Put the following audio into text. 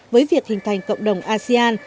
với việc hình thành cộng đồng asean